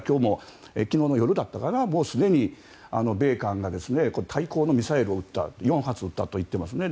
昨日の夜だったかなすでに米韓が対抗のミサイルを４発撃ったと言っていますね。